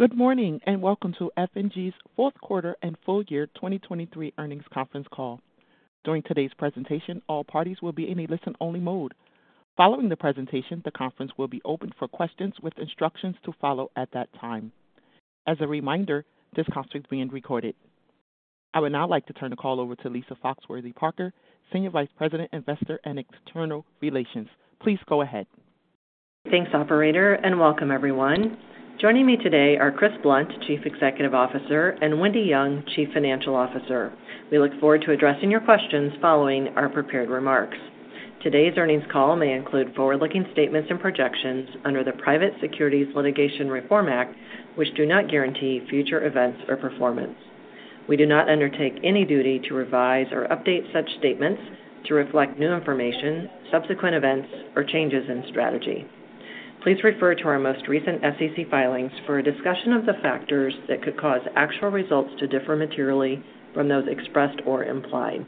Good morning and welcome to F&G's fourth quarter and full year 2023 earnings conference call. During today's presentation, all parties will be in a listen-only mode. Following the presentation, the conference will be open for questions with instructions to follow at that time. As a reminder, this conference is being recorded. I would now like to turn the call over to Lisa Foxworthy-Parker, Senior Vice President, Investor, and External Relations. Please go ahead. Thanks, operator, and welcome, everyone. Joining me today are Chris Blunt, Chief Executive Officer, and Wendy Young, Chief Financial Officer. We look forward to addressing your questions following our prepared remarks. Today's earnings call may include forward-looking statements and projections under the Private Securities Litigation Reform Act, which do not guarantee future events or performance. We do not undertake any duty to revise or update such statements to reflect new information, subsequent events, or changes in strategy. Please refer to our most recent SEC filings for a discussion of the factors that could cause actual results to differ materially from those expressed or implied.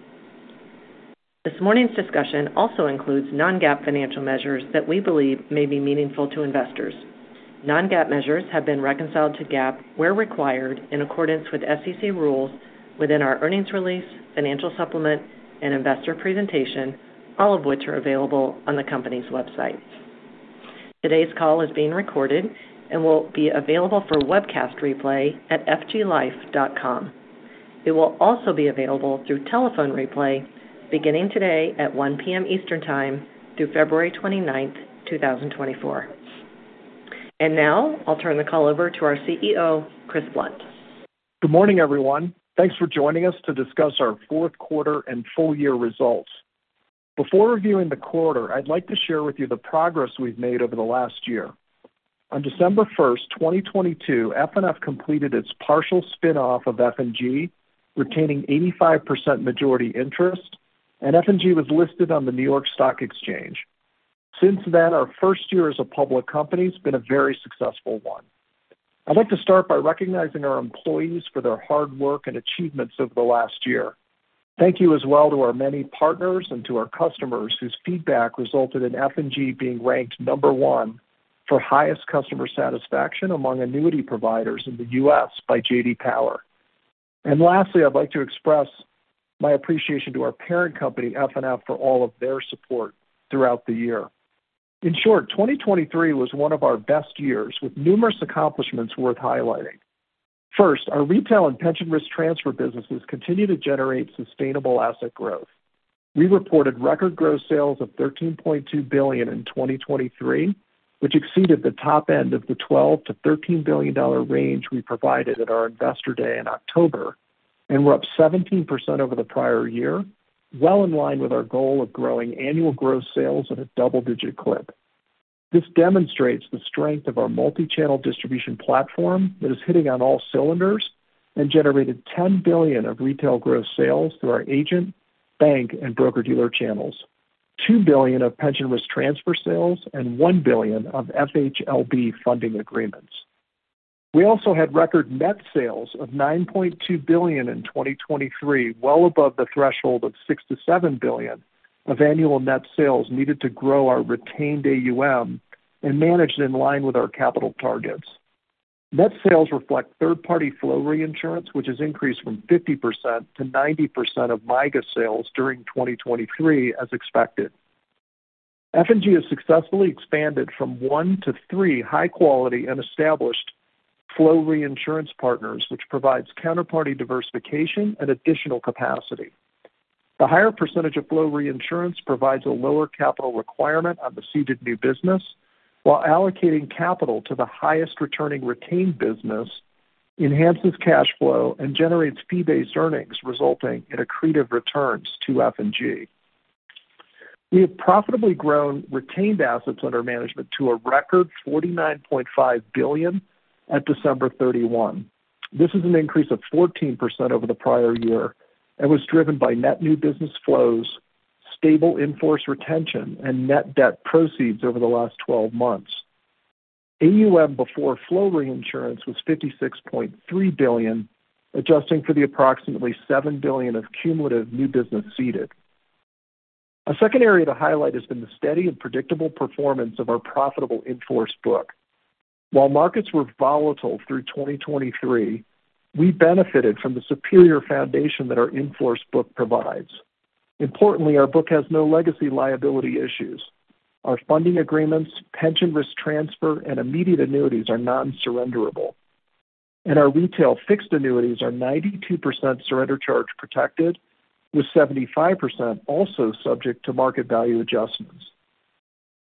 This morning's discussion also includes non-GAAP financial measures that we believe may be meaningful to investors. Non-GAAP measures have been reconciled to GAAP where required in accordance with SEC rules within our earnings release, financial supplement, and investor presentation, all of which are available on the company's website. Today's call is being recorded and will be available for webcast replay at fglife.com. It will also be available through telephone replay beginning today at 1:00 P.M. Eastern Time through February 29th, 2024. And now I'll turn the call over to our CEO, Chris Blunt. Good morning, everyone. Thanks for joining us to discuss our fourth quarter and full year results. Before reviewing the quarter, I'd like to share with you the progress we've made over the last year. On December 1st, 2022, FNF completed its partial spinoff of F&G, retaining 85% majority interest, and F&G was listed on the New York Stock Exchange. Since then, our first year as a public company has been a very successful one. I'd like to start by recognizing our employees for their hard work and achievements over the last year. Thank you as well to our many partners and to our customers whose feedback resulted in F&G being ranked number one for highest customer satisfaction among annuity providers in the U.S. by J.D. Power. Lastly, I'd like to express my appreciation to our parent company, FNF, for all of their support throughout the year. In short, 2023 was one of our best years, with numerous accomplishments worth highlighting. First, our retail and Pension Risk Transfer businesses continue to generate sustainable asset growth. We reported record growth sales of $13.2 billion in 2023, which exceeded the top end of the $12-$13 billion range we provided at our investor day in October, and we're up 17% over the prior year, well in line with our goal of growing annual growth sales at a double-digit clip. This demonstrates the strength of our multi-channel distribution platform that is hitting on all cylinders and generated $10 billion of retail growth sales through our agent, bank, and broker-dealer channels, $2 billion of Pension Risk Transfer sales, and $1 billion of FHLB funding agreements. We also had record net sales of $9.2 billion in 2023, well above the threshold of $6 billion-$7 billion of annual net sales needed to grow our retained AUM and manage it in line with our capital targets. Net sales reflect third-party flow reinsurance, which has increased from 50%-90% of MYGA sales during 2023 as expected. F&G has successfully expanded from one to three high-quality and established flow reinsurance partners, which provides counterparty diversification and additional capacity. The higher percentage of flow reinsurance provides a lower capital requirement on the ceded new business, while allocating capital to the highest-returning retained business enhances cash flow and generates fee-based earnings, resulting in accretive returns to F&G. We have profitably grown retained assets under management to a record $49.5 billion at December 31, 2023. This is an increase of 14% over the prior year and was driven by net new business flows, stable in-force retention, and net debt proceeds over the last 12 months. AUM before flow reinsurance was $56.3 billion, adjusting for the approximately $7 billion of cumulative new business seeded. A second area to highlight has been the steady and predictable performance of our profitable in-force book. While markets were volatile through 2023, we benefited from the superior foundation that our in-force book provides. Importantly, our book has no legacy liability issues. Our funding agreements, pension risk transfer, and immediate annuities are non-surrenderable, and our retail fixed annuities are 92% surrender charge protected, with 75% also subject to market value adjustments.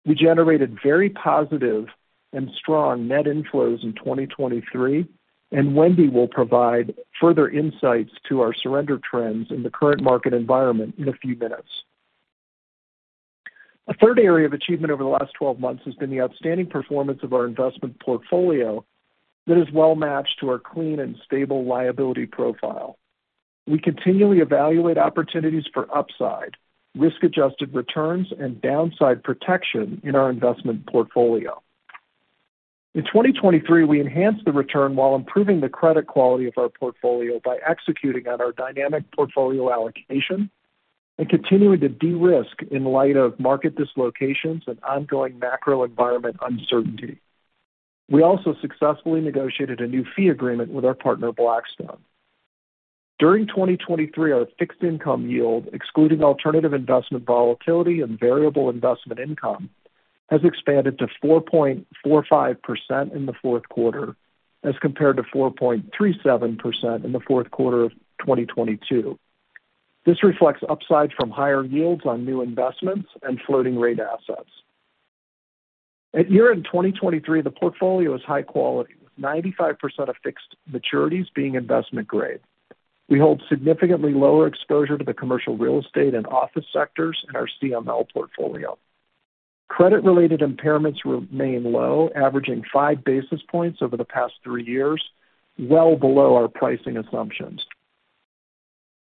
We generated very positive and strong net inflows in 2023, and Wendy will provide further insights to our surrender trends in the current market environment in a few minutes. A third area of achievement over the last 12 months has been the outstanding performance of our investment portfolio that is well matched to our clean and stable liability profile. We continually evaluate opportunities for upside, risk-adjusted returns, and downside protection in our investment portfolio. In 2023, we enhanced the return while improving the credit quality of our portfolio by executing on our dynamic portfolio allocation and continuing to de-risk in light of market dislocations and ongoing macro environment uncertainty. We also successfully negotiated a new fee agreement with our partner, Blackstone. During 2023, our fixed income yield, excluding alternative investment volatility and variable investment income, has expanded to 4.45% in the fourth quarter as compared to 4.37% in the fourth quarter of 2022. This reflects upside from higher yields on new investments and floating-rate assets. At year-end 2023, the portfolio is high quality, with 95% of fixed maturities being investment grade. We hold significantly lower exposure to the commercial real estate and office sectors in our CML portfolio. Credit-related impairments remain low, averaging five basis points over the past three years, well below our pricing assumptions.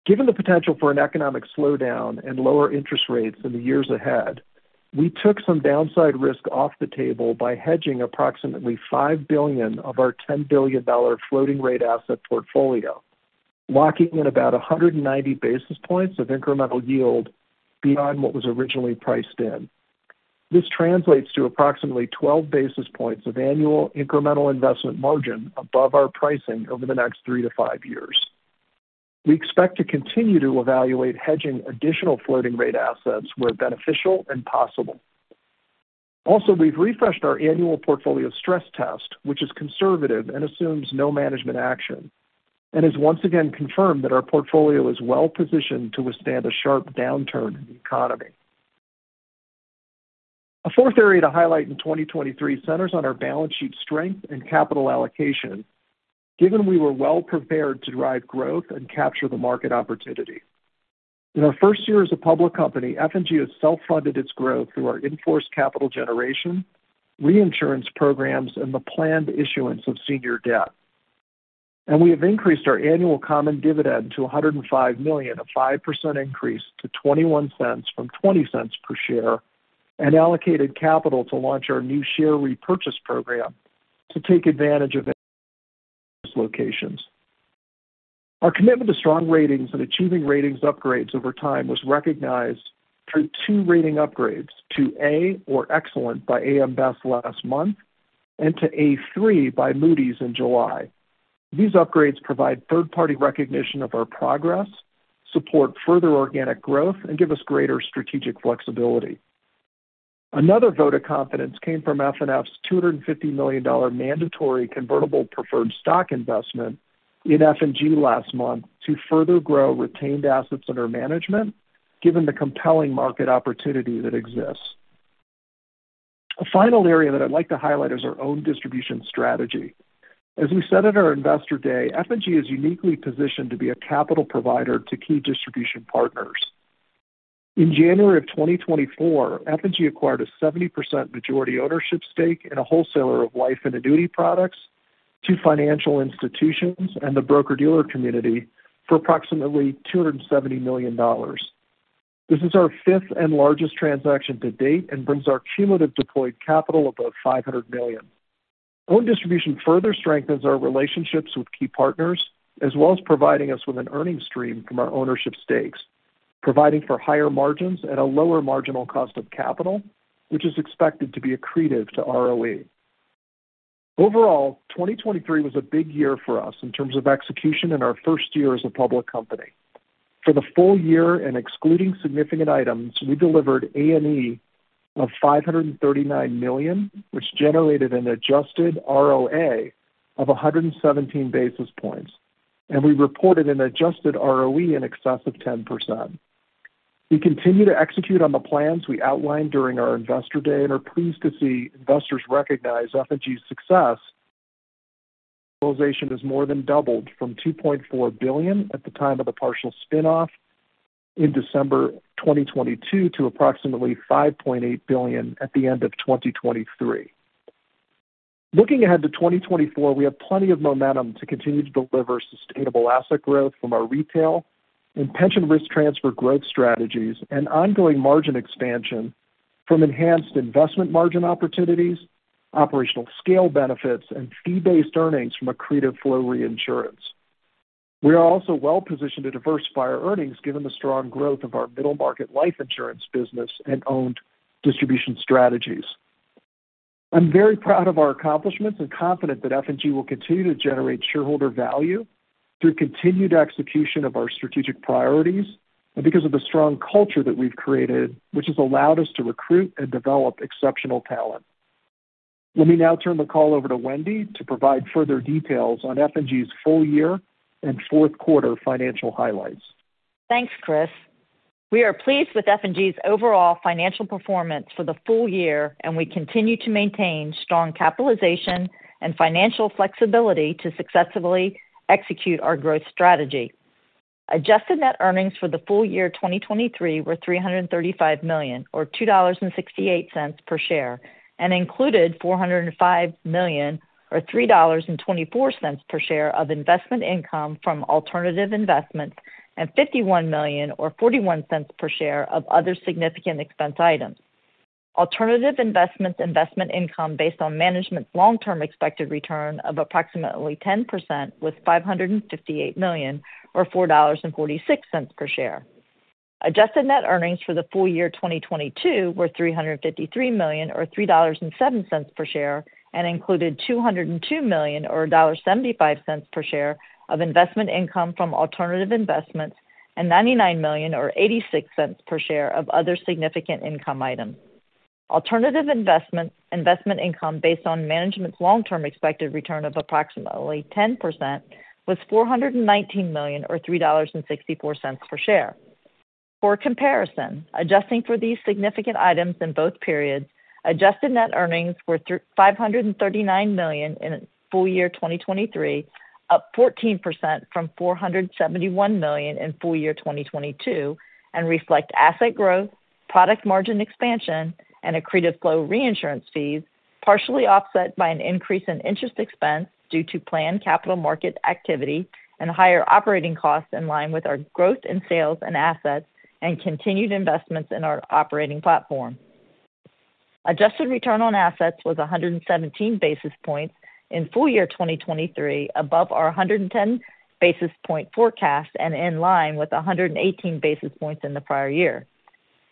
Given the potential for an economic slowdown and lower interest rates in the years ahead, we took some downside risk off the table by hedging approximately $5 billion of our $10 billion floating-rate asset portfolio, locking in about 190 basis points of incremental yield beyond what was originally priced in. This translates to approximately 12 basis points of annual incremental investment margin above our pricing over the next three to five years. We expect to continue to evaluate hedging additional floating-rate assets where beneficial and possible. Also, we've refreshed our annual portfolio stress test, which is conservative and assumes no management action, and has once again confirmed that our portfolio is well positioned to withstand a sharp downturn in the economy. A fourth area to highlight in 2023 centers on our balance sheet strength and capital allocation, given we were well prepared to drive growth and capture the market opportunity. In our first year as a public company, F&G has self-funded its growth through our in-force capital generation, reinsurance programs, and the planned issuance of senior debt. We have increased our annual common dividend to $105 million, a 5% increase to $0.21 from $0.20 per share, and allocated capital to launch our new share repurchase program to take advantage of dislocations. Our commitment to strong ratings and achieving ratings upgrades over time was recognized through two rating upgrades to A or excellent by AM Best last month and to A3 by Moody's in July. These upgrades provide third-party recognition of our progress, support further organic growth, and give us greater strategic flexibility. Another vote of confidence came from FNF's $250 million mandatory convertible preferred stock investment in F&G last month to further grow retained assets under management, given the compelling market opportunity that exists. A final area that I'd like to highlight is our own distribution strategy. As we said at our investor day, F&G is uniquely positioned to be a capital provider to key distribution partners. In January of 2024, F&G acquired a 70% majority ownership stake in a wholesaler of life and annuity products to financial institutions and the broker-dealer community for approximately $270 million. This is our fifth and largest transaction to date and brings our cumulative deployed capital above $500 million. Own distribution further strengthens our relationships with key partners as well as providing us with an earnings stream from our ownership stakes, providing for higher margins at a lower marginal cost of capital, which is expected to be accretive to ROE. Overall, 2023 was a big year for us in terms of execution in our first year as a public company. For the full year and excluding significant items, we delivered A&E of $539 million, which generated an adjusted ROA of 117 basis points, and we reported an adjusted ROE in excess of 10%. We continue to execute on the plans we outlined during our investor day and are pleased to see investors recognize F&G's success. Capitalization has more than doubled from $2.4 billion at the time of the partial spinoff in December 2022 to approximately $5.8 billion at the end of 2023. Looking ahead to 2024, we have plenty of momentum to continue to deliver sustainable asset growth from our retail and pension risk transfer growth strategies and ongoing margin expansion from enhanced investment margin opportunities, operational scale benefits, and fee-based earnings from accretive flow reinsurance. We are also well positioned to diversify our earnings given the strong growth of our middle-market life insurance business and owned distribution strategies. I'm very proud of our accomplishments and confident that F&G will continue to generate shareholder value through continued execution of our strategic priorities and because of the strong culture that we've created, which has allowed us to recruit and develop exceptional talent. Let me now turn the call over to Wendy to provide further details on F&G's full year and fourth quarter financial highlights. Thanks, Chris. We are pleased with F&G's overall financial performance for the full year, and we continue to maintain strong capitalization and financial flexibility to successfully execute our growth strategy. Adjusted net earnings for the full year 2023 were $335 million or $2.68 per share and included $405 million or $3.24 per share of investment income from alternative investments and $51 million or $0.41 per share of other significant expense items. Alternative investments' investment income based on management's long-term expected return of approximately 10% was $558 million or $4.46 per share. Adjusted net earnings for the full year 2022 were $353 million or $3.07 per share and included $202 million or $1.75 per share of investment income from alternative investments and $99 million or $0.86 per share of other significant income items. Alternative investments' investment income based on management's long-term expected return of approximately 10% was $419 million or $3.64 per share. For comparison, adjusting for these significant items in both periods, adjusted net earnings were $539 million in full year 2023, up 14% from $471 million in full year 2022, and reflect asset growth, product margin expansion, and accretive flow reinsurance fees, partially offset by an increase in interest expense due to planned capital market activity and higher operating costs in line with our growth in sales and assets and continued investments in our operating platform. Adjusted return on assets was 117 basis points in full year 2023, above our 110 basis points forecast and in line with 118 basis points in the prior year.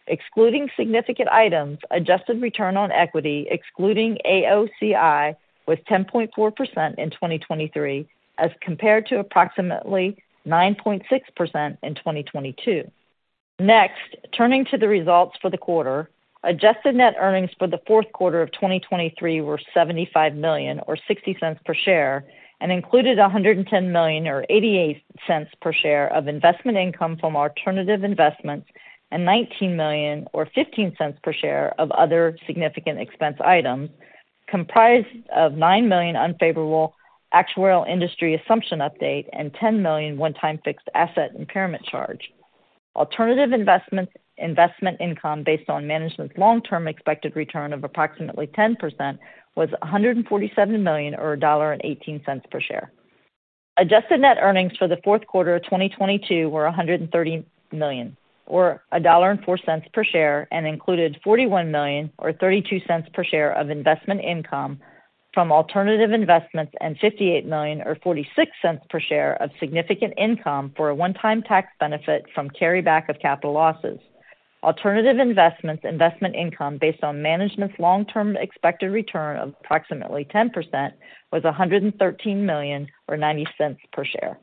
Excluding significant items, adjusted return on equity, excluding AOCI, was 10.4% in 2023 as compared to approximately 9.6% in 2022. Next, turning to the results for the quarter, adjusted net earnings for the fourth quarter of 2023 were $75 million or $0.60 per share and included $110 million or $0.88 per share of investment income from alternative investments and $19 million or $0.15 per share of other significant expense items, comprised of $9 million unfavorable actuarial industry assumption update and $10 million one-time fixed asset impairment charge. Alternative investment income based on management's long-term expected return of approximately 10% was $147 million or $1.18 per share. Adjusted net earnings for the fourth quarter of 2022 were $130 million or $1.04 per share and included $41 million or $0.32 per share of investment income from alternative investments and $58 million or $0.46 per share of significant income for a one-time tax benefit from carryback of capital losses. Alternative investments' investment income based on management's long-term expected return of approximately 10% was $113 million or $0.90 per share.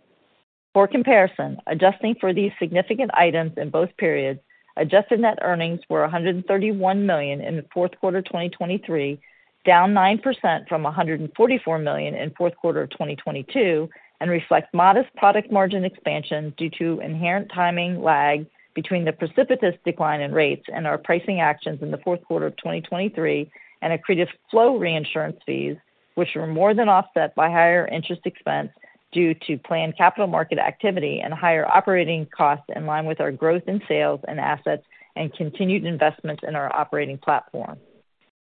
For comparison, adjusting for these significant items in both periods, adjusted net earnings were $131 million in the fourth quarter of 2023, down 9% from $144 million in fourth quarter of 2022, and reflect modest product margin expansion due to inherent timing lag between the precipitous decline in rates and our pricing actions in the fourth quarter of 2023 and accretive flow reinsurance fees, which were more than offset by higher interest expense due to planned capital market activity and higher operating costs in line with our growth in sales and assets and continued investments in our operating platform.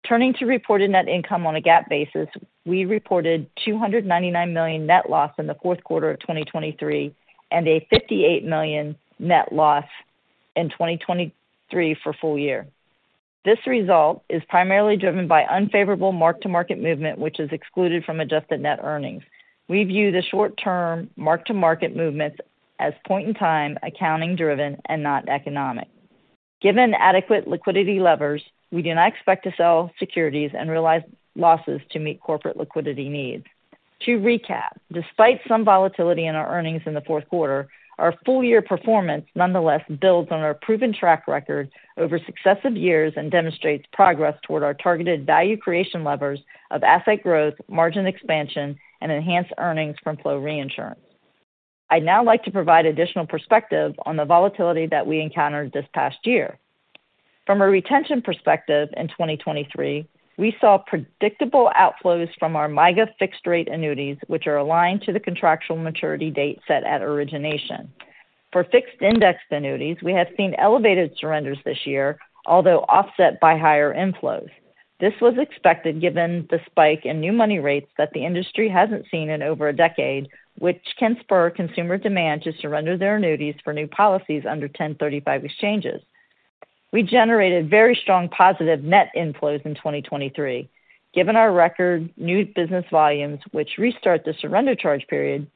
Turning to reported net income on a GAAP basis, we reported $299 million net loss in the fourth quarter of 2023 and a $58 million net loss in 2023 for full year. This result is primarily driven by unfavorable mark-to-market movement, which is excluded from adjusted net earnings. We view the short-term mark-to-market movements as point-in-time accounting-driven and not economic. Given adequate liquidity levers, we do not expect to sell securities and realize losses to meet corporate liquidity needs. To recap, despite some volatility in our earnings in the fourth quarter, our full-year performance nonetheless builds on our proven track record over successive years and demonstrates progress toward our targeted value creation levers of asset growth, margin expansion, and enhanced earnings from flow reinsurance. I'd now like to provide additional perspective on the volatility that we encountered this past year. From a retention perspective in 2023, we saw predictable outflows from our MYGA fixed-rate annuities, which are aligned to the contractual maturity date set at origination. For Fixed-Indexed Annuities, we have seen elevated surrenders this year, although offset by higher inflows. This was expected given the spike in new money rates that the industry hasn't seen in over a decade, which can spur consumer demand to surrender their annuities for new policies under 1035 exchanges. We generated very strong positive net inflows in 2023 given our record new business volumes, which restart the surrender charge period,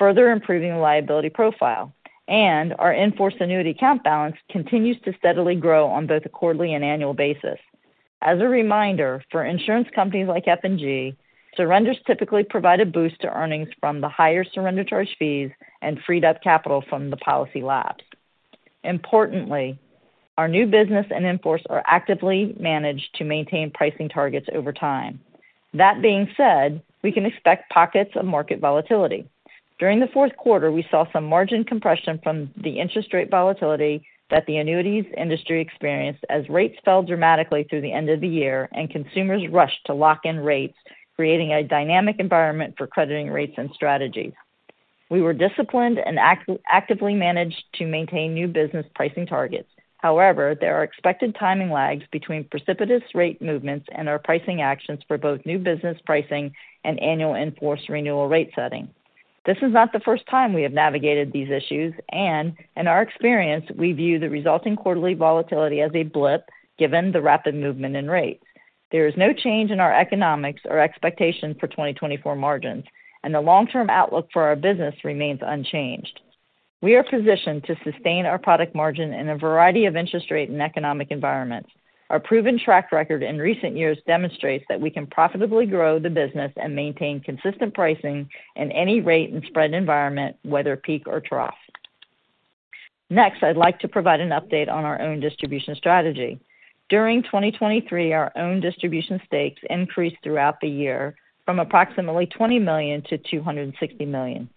further improving the liability profile, and our in-force annuity account balance continues to steadily grow on both a quarterly and annual basis. As a reminder, for insurance companies like F&G, surrenders typically provide a boost to earnings from the higher surrender charge fees and freed up capital from the policy lapses. Importantly, our new business and in-force are actively managed to maintain pricing targets over time. That being said, we can expect pockets of market volatility. During the fourth quarter, we saw some margin compression from the interest rate volatility that the annuities industry experienced as rates fell dramatically through the end of the year and consumers rushed to lock in rates, creating a dynamic environment for crediting rates and strategies. We were disciplined and actively managed to maintain new business pricing targets. However, there are expected timing lags between precipitous rate movements and our pricing actions for both new business pricing and annual in-force renewal rate setting. This is not the first time we have navigated these issues, and in our experience, we view the resulting quarterly volatility as a blip given the rapid movement in rates. There is no change in our economics or expectation for 2024 margins, and the long-term outlook for our business remains unchanged. We are positioned to sustain our product margin in a variety of interest rate and economic environments. Our proven track record in recent years demonstrates that we can profitably grow the business and maintain consistent pricing in any rate and spread environment, whether peak or trough. Next, I'd like to provide an update on our own distribution strategy. During 2023, our own distribution stakes increased throughout the year from approximately $20 million-$260 million.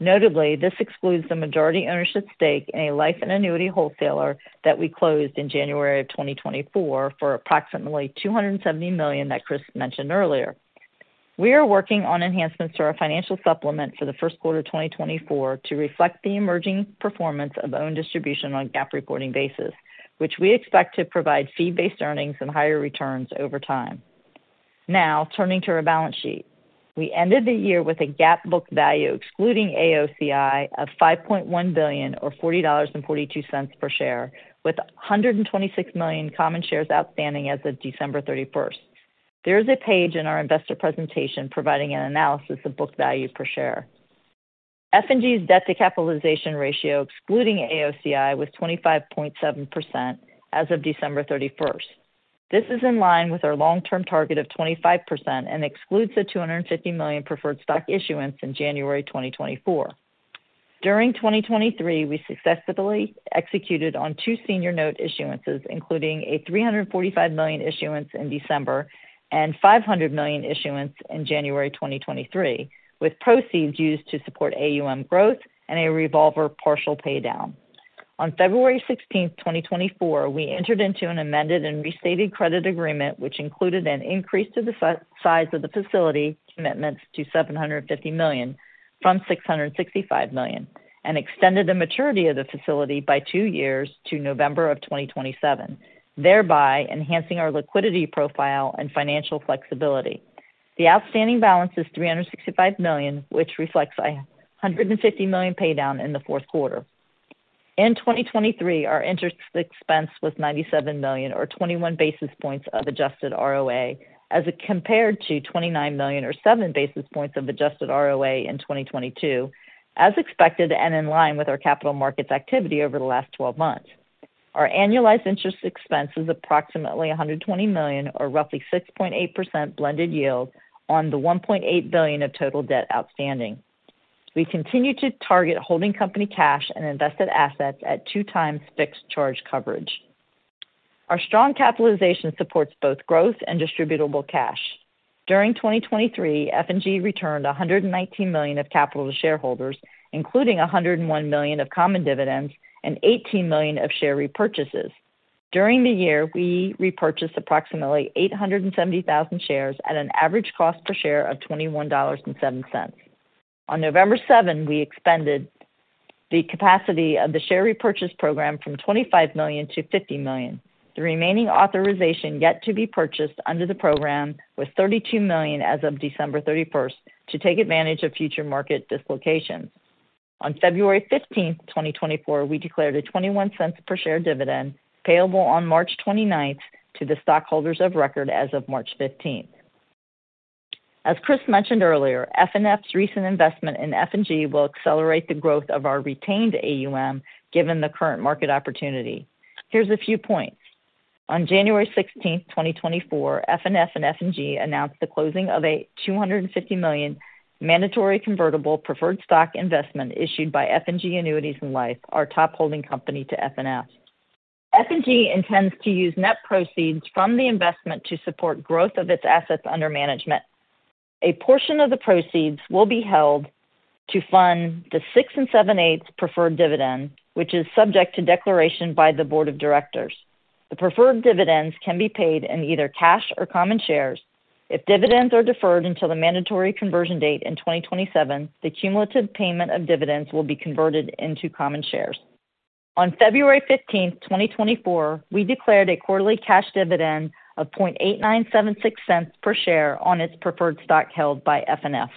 Notably, this excludes the majority ownership stake in a life and annuity wholesaler that we closed in January of 2024 for approximately $270 million that Chris mentioned earlier. We are working on enhancements to our financial supplement for the first quarter of 2024 to reflect the emerging performance of owned distribution on a GAAP reporting basis, which we expect to provide fee-based earnings and higher returns over time. Now, turning to our balance sheet, we ended the year with a GAAP book value excluding AOCI of $5.1 billion or $40.42 per share, with 126 million common shares outstanding as of December 31st. There is a page in our investor presentation providing an analysis of book value per share. F&G's debt to capitalization ratio excluding AOCI was 25.7% as of December 31st. This is in line with our long-term target of 25% and excludes the $250 million preferred stock issuance in January 2024. During 2023, we successfully executed on two senior note issuances, including a $345 million issuance in December and a $500 million issuance in January 2023, with proceeds used to support AUM growth and a revolver partial paydown. On February 16th, 2024, we entered into an amended and restated credit agreement, which included an increase to the size of the facility commitments to $750 million from $665 million and extended the maturity of the facility by two years to November of 2027, thereby enhancing our liquidity profile and financial flexibility. The outstanding balance is $365 million, which reflects a $150 million paydown in the fourth quarter. In 2023, our interest expense was $97 million or 21 basis points of adjusted ROA as compared to $29 million or 7 basis points of adjusted ROA in 2022, as expected and in line with our capital markets activity over the last 12 months. Our annualized interest expense is approximately $120 million or roughly 6.8% blended yield on the $1.8 billion of total debt outstanding. We continue to target holding company cash and invested assets at 2x fixed charge coverage. Our strong capitalization supports both growth and distributable cash. During 2023, F&G returned $119 million of capital to shareholders, including $101 million of common dividends and $18 million of share repurchases. During the year, we repurchased approximately 870,000 shares at an average cost per share of $21.07. On November 7th, we expanded the capacity of the share repurchase program from $25 million-$50 million. The remaining authorization yet to be purchased under the program was $32 million as of December 31st to take advantage of future market dislocations. On February 15th, 2024, we declared a $0.21 per share dividend payable on March 29th to the stockholders of record as of March 15th. As Chris mentioned earlier, FNF's recent investment in F&G will accelerate the growth of our retained AUM given the current market opportunity. Here's a few points. On January 16th, 2024, FNF and F&G announced the closing of a $250 million mandatory convertible preferred stock investment issued by F&G Annuities & Life, our top holding company, to FNF. F&G intends to use net proceeds from the investment to support growth of its assets under management. A portion of the proceeds will be held to fund the 6 and 7/8ths preferred dividend, which is subject to declaration by the board of directors. The preferred dividends can be paid in either cash or common shares. If dividends are deferred until the mandatory conversion date in 2027, the cumulative payment of dividends will be converted into common shares. On February 15th, 2024, we declared a quarterly cash dividend of $0.008976 per share on its preferred stock held by FNF.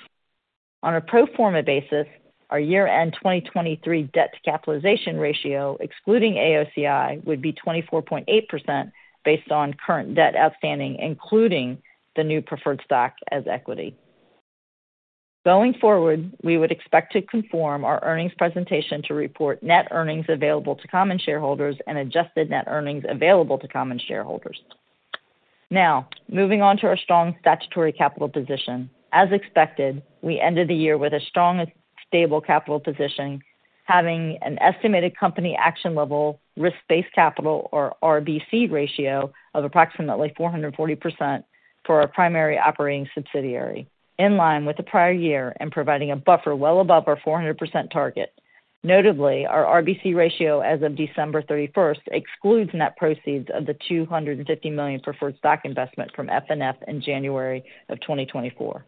On a pro forma basis, our year-end 2023 debt to capitalization ratio excluding AOCI would be 24.8% based on current debt outstanding, including the new preferred stock as equity. Going forward, we would expect to conform our earnings presentation to report net earnings available to common shareholders and adjusted net earnings available to common shareholders. Now, moving on to our strong statutory capital position. As expected, we ended the year with a strong and stable capital position, having an estimated company action level risk-based capital or RBC ratio of approximately 440% for our primary operating subsidiary, in line with the prior year and providing a buffer well above our 400% target. Notably, our RBC ratio as of December 31st excludes net proceeds of the $250 million preferred stock investment from FNF in January of 2024.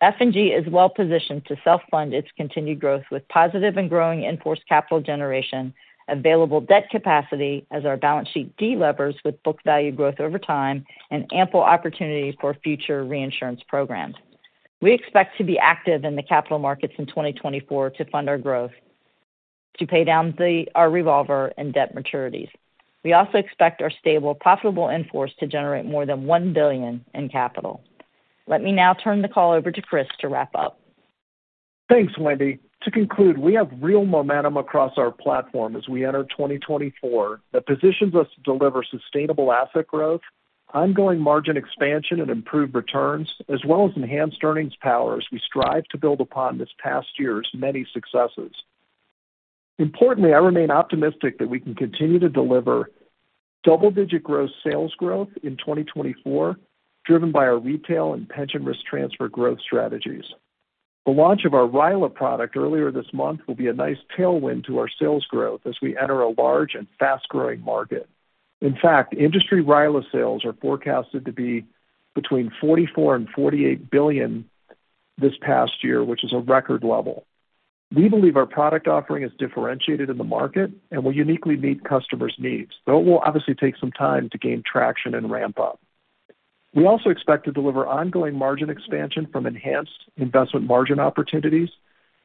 F&G is well positioned to self-fund its continued growth with positive and growing in-force capital generation, available debt capacity as our balance sheet de-levers with book value growth over time, and ample opportunity for future reinsurance programs. We expect to be active in the capital markets in 2024 to fund our growth, to pay down our revolver and debt maturities. We also expect our stable, profitable in-force to generate more than $1 billion in capital. Let me now turn the call over to Chris to wrap up. Thanks, Wendy. To conclude, we have real momentum across our platform as we enter 2024 that positions us to deliver sustainable asset growth, ongoing margin expansion, and improved returns, as well as enhanced earnings power as we strive to build upon this past year's many successes. Importantly, I remain optimistic that we can continue to deliver double-digit growth sales growth in 2024, driven by our retail and pension risk transfer growth strategies. The launch of our RILA product earlier this month will be a nice tailwind to our sales growth as we enter a large and fast-growing market. In fact, industry RILA sales are forecasted to be between $44 billion and $48 billion this past year, which is a record level. We believe our product offering is differentiated in the market and will uniquely meet customers' needs, though it will obviously take some time to gain traction and ramp up. We also expect to deliver ongoing margin expansion from enhanced investment margin opportunities,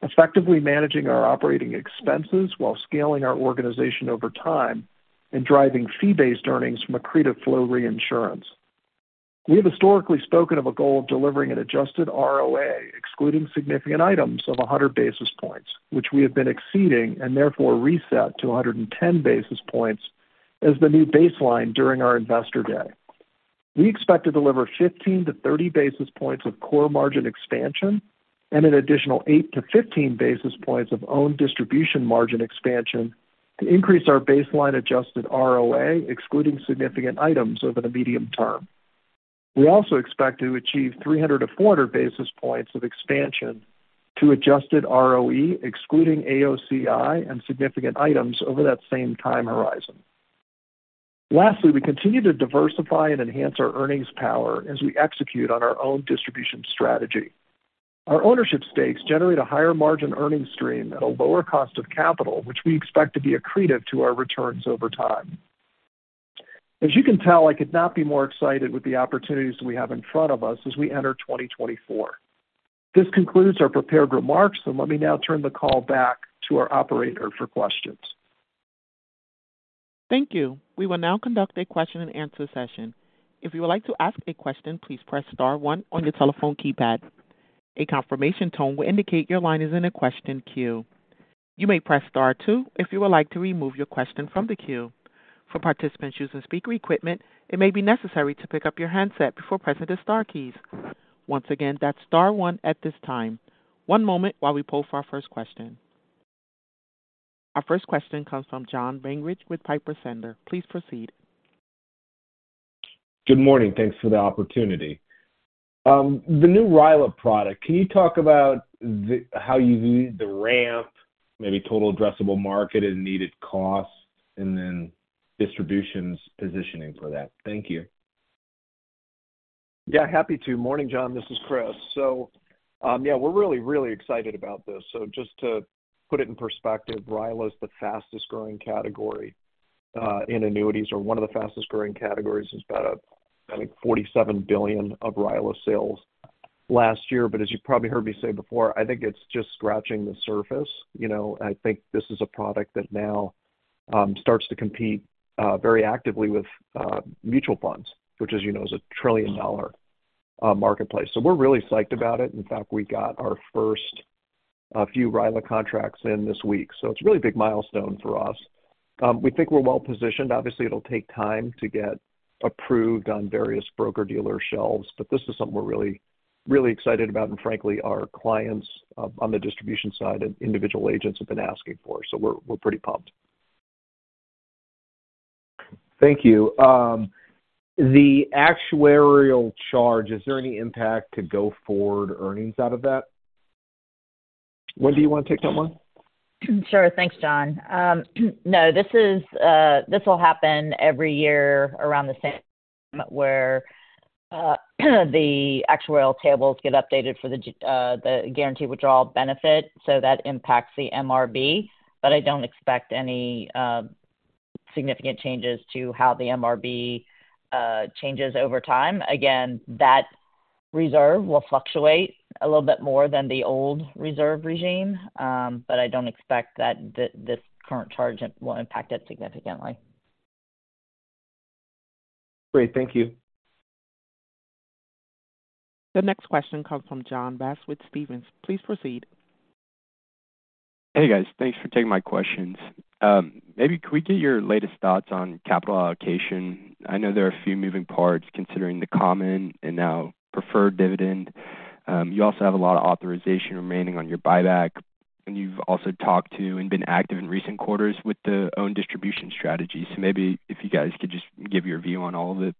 effectively managing our operating expenses while scaling our organization over time and driving fee-based earnings from accretive Flow Reinsurance. We have historically spoken of a goal of delivering an adjusted ROA excluding significant items of 100 basis points, which we have been exceeding and therefore reset to 110 basis points as the new baseline during our investor day. We expect to deliver 15 basis points-30 basis points of core margin expansion and an additional 8 basis points-15 basis points of owned distribution margin expansion to increase our baseline adjusted ROA excluding significant items over the medium term. We also expect to achieve 300 basis points-400 basis points of expansion to adjusted ROE excluding AOCI and significant items over that same time horizon. Lastly, we continue to diversify and enhance our earnings power as we execute on our own distribution strategy. Our ownership stakes generate a higher margin earnings stream at a lower cost of capital, which we expect to be accretive to our returns over time. As you can tell, I could not be more excited with the opportunities we have in front of us as we enter 2024. This concludes our prepared remarks, and let me now turn the call back to our operator for questions. Thank you. We will now conduct a question-and-answer session. If you would like to ask a question, please press star one on your telephone keypad. A confirmation tone will indicate your line is in a question queue. You may press star two if you would like to remove your question from the queue. For participants using speaker equipment, it may be necessary to pick up your handset before pressing the star keys. Once again, that's star one at this time. One moment while we pull for our first question. Our first question comes from John Barnidge with Piper Sandler. Please proceed. Good morning. Thanks for the opportunity. The new RILA product, can you talk about how you view the ramp, maybe total addressable market and needed costs, and then distributions positioning for that? Thank you. Yeah, happy to. Morning, John. This is Chris. So yeah, we're really, really excited about this. So just to put it in perspective, RILA is the fastest-growing category in annuities, or one of the fastest-growing categories. It's about, I think, $47 billion of RILA sales last year. But as you've probably heard me say before, I think it's just scratching the surface. I think this is a product that now starts to compete very actively with mutual funds, which is a trillion-dollar marketplace. So we're really psyched about it. In fact, we got our first few RILA contracts in this week. So it's a really big milestone for us. We think we're well positioned. Obviously, it'll take time to get approved on various broker-dealer shelves, but this is something we're really, really excited about and, frankly, our clients on the distribution side and individual agents have been asking for. We're pretty pumped. Thank you. The actuarial charge, is there any impact to go forward earnings out of that? Wendy, you want to take that one? Sure. Thanks, John. No, this will happen every year around the same time where the actuarial tables get updated for the guaranteed withdrawal benefit. So that impacts the MRB, but I don't expect any significant changes to how the MRB changes over time. Again, that reserve will fluctuate a little bit more than the old reserve regime, but I don't expect that this current charge will impact it significantly. Great. Thank you. The next question comes from John Bass with Stephens. Please proceed. Hey, guys. Thanks for taking my questions. Maybe could we get your latest thoughts on capital allocation? I know there are a few moving parts considering the common and now preferred dividend. You also have a lot of authorization remaining on your buyback, and you've also talked to and been active in recent quarters with the owned distribution strategy. So maybe if you guys could just give your view on all of it.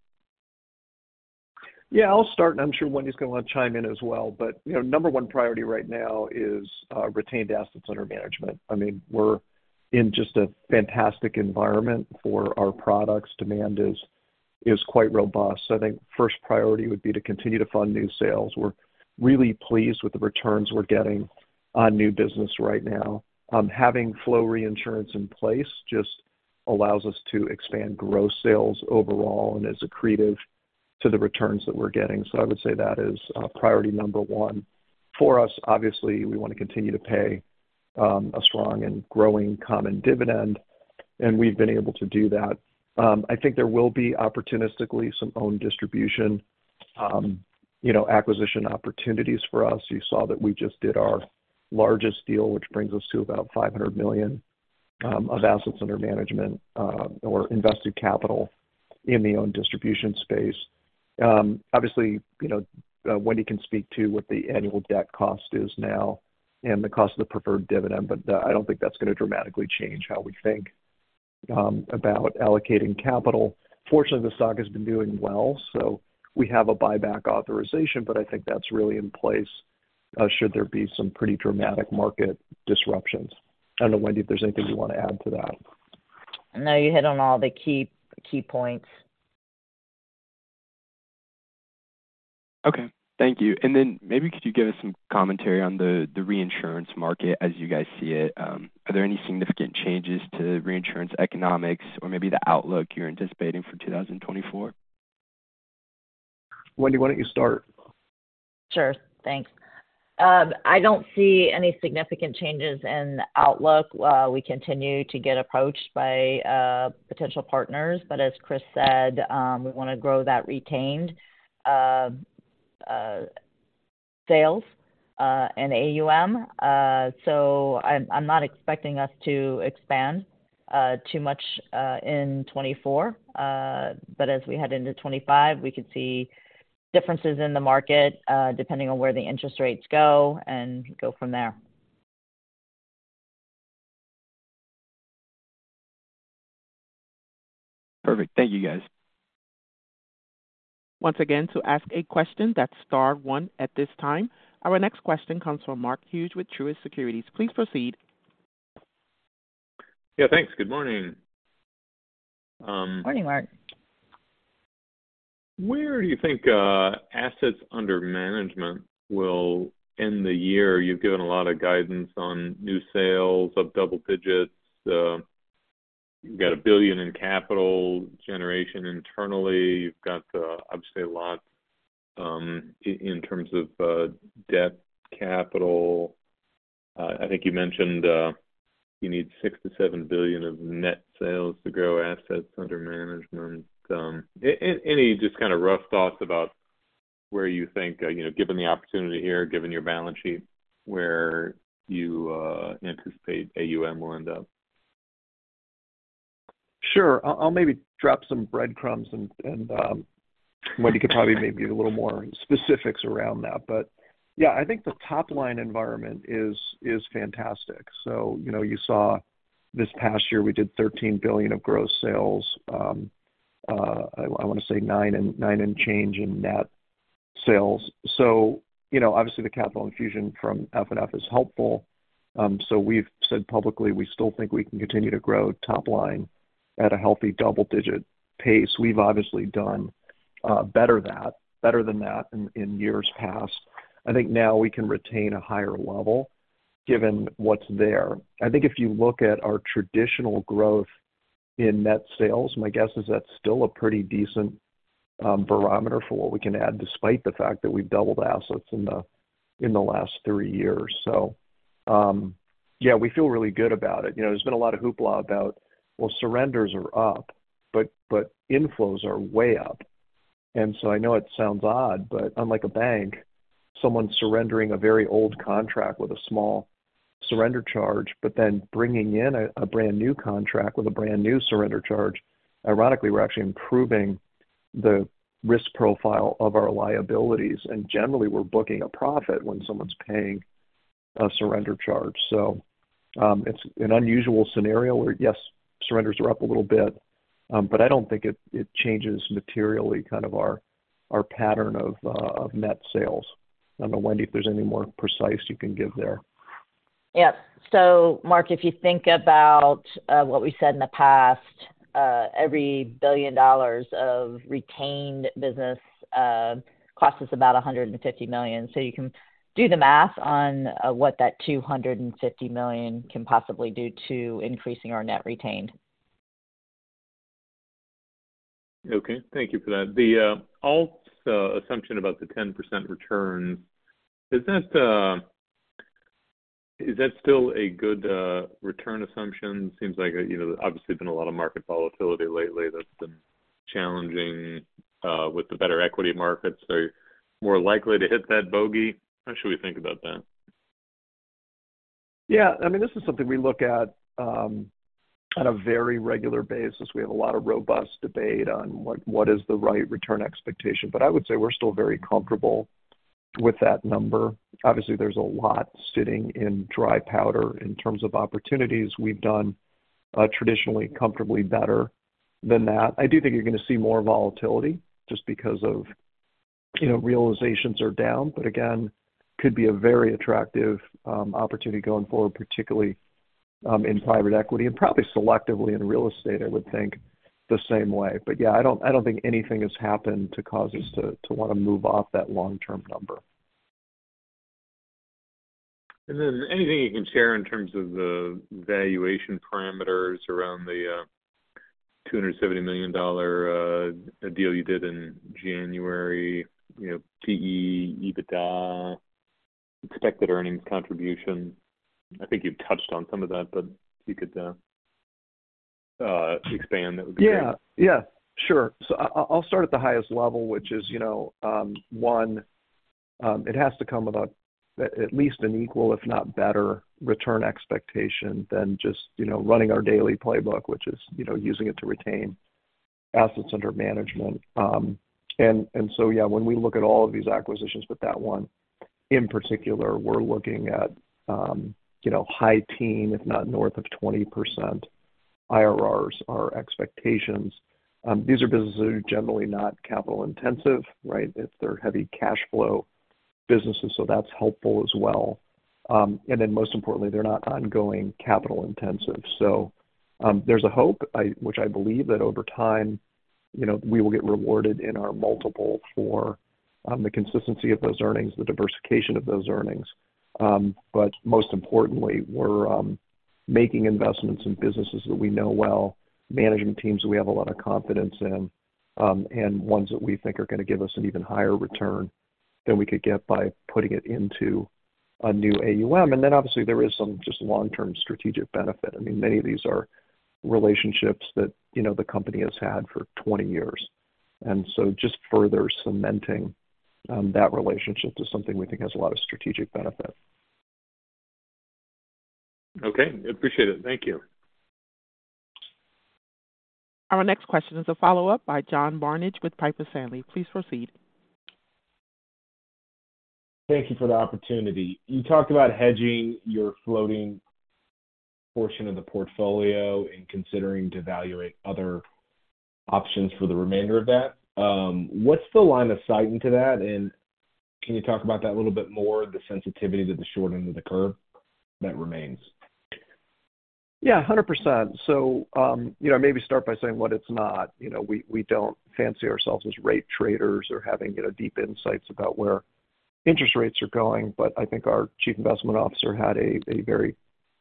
Yeah, I'll start, and I'm sure Wendy's going to want to chime in as well. But number one priority right now is retained assets under management. I mean, we're in just a fantastic environment for our products. Demand is quite robust. So I think first priority would be to continue to fund new sales. We're really pleased with the returns we're getting on new business right now. Having flow reinsurance in place just allows us to expand gross sales overall and is accretive to the returns that we're getting. So I would say that is priority number one for us. Obviously, we want to continue to pay a strong and growing common dividend, and we've been able to do that. I think there will be opportunistically some owned distribution acquisition opportunities for us. You saw that we just did our largest deal, which brings us to about $500 million of assets under management or invested capital in the owned distribution space. Obviously, Wendy can speak to what the annual debt cost is now and the cost of the preferred dividend, but I don't think that's going to dramatically change how we think about allocating capital. Fortunately, the stock has been doing well, so we have a buyback authorization, but I think that's really in place should there be some pretty dramatic market disruptions. I don't know, Wendy, if there's anything you want to add to that. No, you hit on all the key points. Okay. Thank you. And then maybe could you give us some commentary on the reinsurance market as you guys see it? Are there any significant changes to reinsurance economics or maybe the outlook you're anticipating for 2024? Wendy, why don't you start? Sure. Thanks. I don't see any significant changes in outlook. We continue to get approached by potential partners, but as Chris said, we want to grow that retained sales and AUM. So I'm not expecting us to expand too much in 2024, but as we head into 2025, we could see differences in the market depending on where the interest rates go and go from there. Perfect. Thank you, guys. Once again, to ask a question, that's star one at this time. Our next question comes from Mark Hughes with Truist Securities. Please proceed. Yeah, thanks. Good morning. Morning, Mark. Where do you think assets under management will end the year? You've given a lot of guidance on new sales of double digits. You've got $1 billion in capital generation internally. You've got, obviously, a lot in terms of debt capital. I think you mentioned you need $6 billion-$7 billion of net sales to grow assets under management. Any just kind of rough thoughts about where you think, given the opportunity here, given your balance sheet, where you anticipate AUM will end up? Sure. I'll maybe drop some breadcrumbs, and Wendy could probably maybe give a little more specifics around that. But yeah, I think the top-line environment is fantastic. So you saw this past year, we did $13 billion of gross sales. I want to say $9 billion and change in net sales. So obviously, the capital infusion from FNF is helpful. So we've said publicly, we still think we can continue to grow top-line at a healthy double-digit pace. We've obviously done better than that in years past. I think now we can retain a higher level given what's there. I think if you look at our traditional growth in net sales, my guess is that's still a pretty decent barometer for what we can add despite the fact that we've doubled assets in the last three years. So yeah, we feel really good about it. There's been a lot of hoopla about, "Well, surrenders are up, but inflows are way up." And so I know it sounds odd, but unlike a bank, someone surrendering a very old contract with a small surrender charge but then bringing in a brand new contract with a brand new surrender charge, ironically, we're actually improving the risk profile of our liabilities. And generally, we're booking a profit when someone's paying a surrender charge. So it's an unusual scenario where, yes, surrenders are up a little bit, but I don't think it changes materially kind of our pattern of net sales. I don't know, Wendy, if there's any more precise you can give there. Yep. So, Mark, if you think about what we said in the past, every $1 billion of retained business cost us about $150 million. So you can do the math on what that $250 million can possibly do to increasing our net retained. Okay. Thank you for that. The alts assumption about the 10% returns, is that still a good return assumption? Seems like, obviously, there's been a lot of market volatility lately that's been challenging with the better equity markets. Are you more likely to hit that bogey? How should we think about that? Yeah. I mean, this is something we look at on a very regular basis. We have a lot of robust debate on what is the right return expectation, but I would say we're still very comfortable with that number. Obviously, there's a lot sitting in dry powder in terms of opportunities. We've done traditionally comfortably better than that. I do think you're going to see more volatility just because of realizations are down, but again, could be a very attractive opportunity going forward, particularly in private equity and probably selectively in real estate, I would think, the same way. But yeah, I don't think anything has happened to cause us to want to move off that long-term number. And then anything you can share in terms of the valuation parameters around the $270 million deal you did in January, PE, EBITDA, expected earnings contribution? I think you've touched on some of that, but if you could expand, that would be great. Yeah. Yeah. Sure. So I'll start at the highest level, which is, one, it has to come with at least an equal, if not better, return expectation than just running our daily playbook, which is using it to retain assets under management. And so yeah, when we look at all of these acquisitions, but that one in particular, we're looking at high teens, if not north of 20% IRRs, our expectations. These are businesses who are generally not capital-intensive, right? They're heavy cash flow businesses, so that's helpful as well. And then most importantly, they're not ongoing capital-intensive. So there's a hope, which I believe, that over time, we will get rewarded in our multiple for the consistency of those earnings, the diversification of those earnings. But most importantly, we're making investments in businesses that we know well, management teams that we have a lot of confidence in, and ones that we think are going to give us an even higher return than we could get by putting it into a new AUM. And then obviously, there is some just long-term strategic benefit. I mean, many of these are relationships that the company has had for 20 years. And so just further cementing that relationship is something we think has a lot of strategic benefit. Okay. Appreciate it. Thank you. Our next question is a follow-up by John Barnidge with Piper Sandler. Please proceed. Thank you for the opportunity. You talked about hedging your floating portion of the portfolio and considering evaluating other options for the remainder of that. What's the line of sight into that? And can you talk about that a little bit more, the sensitivity to the short end of the curve that remains? Yeah, 100%. So maybe start by saying what it's not. We don't fancy ourselves as rate traders or having deep insights about where interest rates are going, but I think our Chief Investment Officer had a very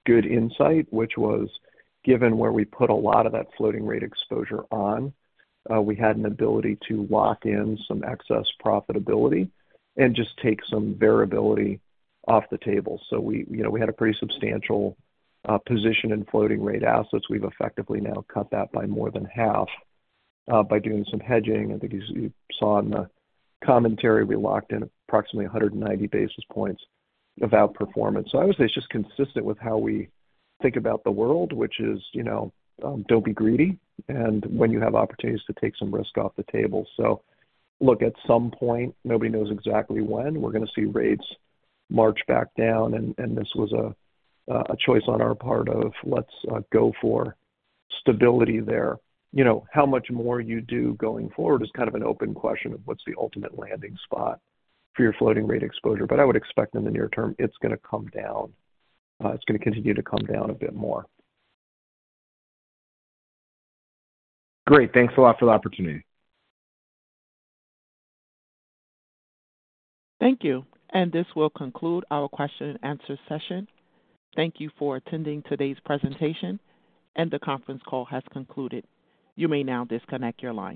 good insight, which was given where we put a lot of that floating rate exposure on, we had an ability to lock in some excess profitability and just take some variability off the table. So we had a pretty substantial position in floating rate assets. We've effectively now cut that by more than half by doing some hedging. I think you saw in the commentary, we locked in approximately 190 basis points of outperformance. So I would say it's just consistent with how we think about the world, which is don't be greedy, and when you have opportunities to take some risk off the table. Look, at some point, nobody knows exactly when, we're going to see rates march back down, and this was a choice on our part of, "Let's go for stability there." How much more you do going forward is kind of an open question of what's the ultimate landing spot for your floating rate exposure. But I would expect in the near term, it's going to come down. It's going to continue to come down a bit more. Great. Thanks a lot for the opportunity. Thank you. This will conclude our question-and-answer session. Thank you for attending today's presentation, and the conference call has concluded. You may now disconnect your line.